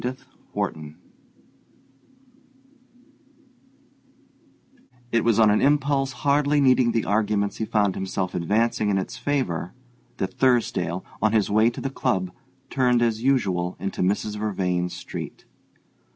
THE DILETTANTE IT was on an impulse hardly needing the arguments he found himself advancing in its favor, that Thursdale, on his way to the club, turned as usual into Mrs. Vervain's street.